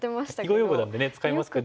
囲碁用語なんで使いますけど。